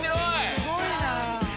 すごいなぁ。